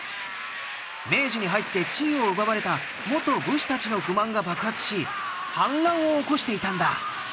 明治に入って地位を奪われた元武士たちの不満が爆発し反乱を起こしていたんだ。